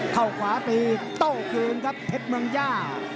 เข้าขวาตีโต้คืนครับเพชรเมืองย่า